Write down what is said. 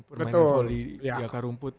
permainan volley di akar rumput